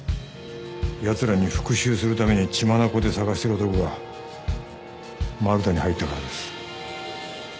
やつらに復讐するために血眼で捜してる男がマルタに入ったからです。